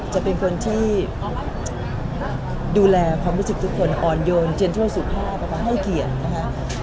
จะเป็นคนที่ดูแลความรู้สึกทุกคนอ่อนโยนเจียนช่วยสุภาพแล้วก็ให้เกียรตินะคะ